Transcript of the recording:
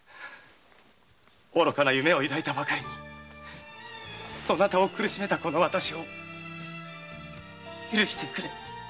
愚かな夢を抱いたばかりにそなたを苦しめた私を許してくれ！